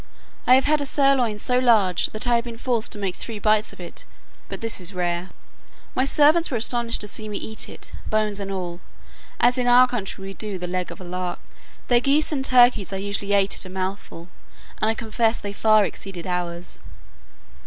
I have had a sirloin so large, that I have been forced to make three bites of it; but this is rare. My servants were astonished to see me eat it, bones and all, as in our country we do the leg of a lark. Their geese and turkeys I usually ate at a mouthful, and I confess they far exceed ours.